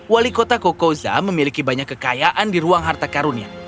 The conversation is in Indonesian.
wali kota kokoza memiliki banyak kekayaan di ruang harta karunia